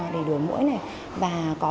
để đổi mũi này và có